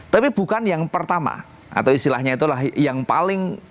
tapi bukan yang pertama atau istilahnya itulah yang paling